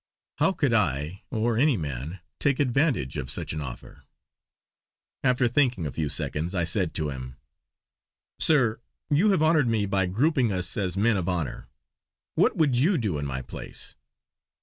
How could I, or any man, take advantage of such an offer. After thinking a few seconds I said to him: "Sir, you have honoured me by grouping us as men of honour. What would you do in my place?"